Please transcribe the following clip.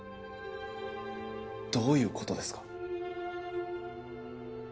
どういうことですか？